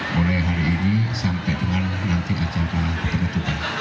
mulai hari ini sampai dengan nanti acara ketertuban